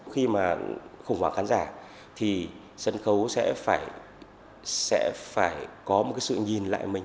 khi mà khủng hoảng khán giả thì sân khấu sẽ phải có một cái sự nhìn lại mình